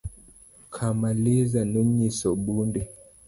Kamaliza nonyiso Bundi